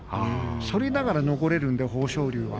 反りながら残れるので豊昇龍は。